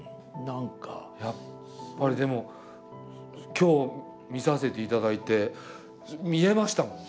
やっぱりでも今日見させていただいて見えましたもん。